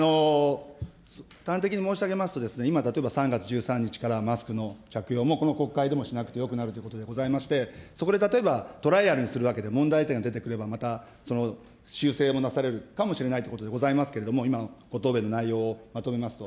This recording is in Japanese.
端的に申し上げますと、今、例えば３月からマスクの着用もこの国会でもしなくてよくなるということでございまして、そこで例えばトライアルにするだけで、問題点が出てくればまた修正もなされるかもしれないということでございますけれども、今のご答弁の内容を、まとめますと。